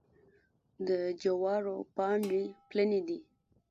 د جوارو پاڼې پلنې دي.